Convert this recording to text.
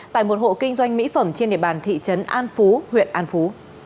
tại một hộ kinh doanh mỹ phẩm trên địa bàn thị trấn an phú huyện an phú